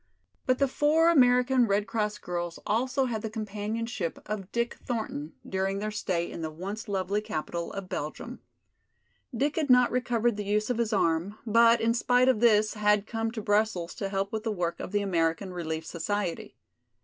But the four American Red Cross girls also had the companionship of Dick Thornton during their stay in the once lovely capital of Belgium. Dick had not recovered the use of his arm, but in spite of this had come to Brussels to help with the work of the American Relief society.